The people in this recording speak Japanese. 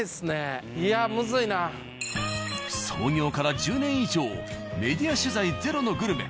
創業から１０年以上メディア取材ゼロのグルメ